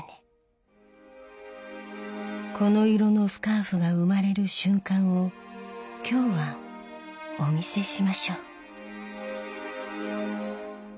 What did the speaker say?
この色のスカーフが生まれる瞬間を今日はお見せしましょう。